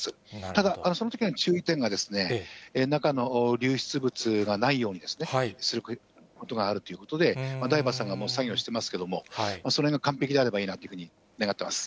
ただそのときの注意点が、中の流出物がないようにすることがあるということで、ダイバーさんがもう作業してますけれども、それが完璧であればいいなというふうに願ってます。